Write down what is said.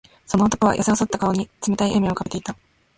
その男は、やせ細った顔に冷たい笑みを浮かべていた。